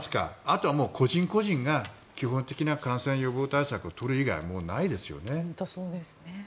あとは個人個人が基本的な感染予防対策を取る以外もうないですよね。